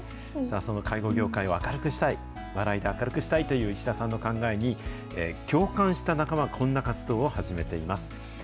その介護業界を明るくしたい、笑いで明るくしたいという石田さんの考えに、共感した仲間がこんな活動を始めています。